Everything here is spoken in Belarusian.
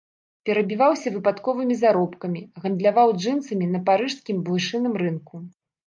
Перабіваўся выпадковымі заробкамі, гандляваў джынсамі на парыжскім блышыным рынку.